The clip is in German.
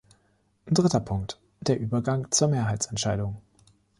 Dritter Punkt: der Übergang zur Mehrheitsentscheidung.